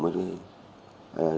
ngay tại chỗ của